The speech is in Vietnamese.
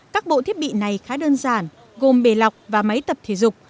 các bộ thiết bị này khá đơn giản gồm bề lọc và máy tập thể dục